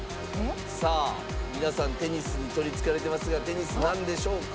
さあ皆さんテニスに取りつかれてますがテニスなんでしょうか？